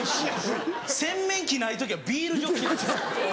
洗面器ない時はビールジョッキなんですよ。